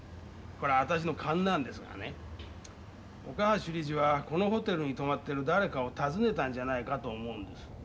これは私の勘なんですがね岡橋理事はこのホテルに泊まってる誰かを訪ねたんじゃないかと思うんです。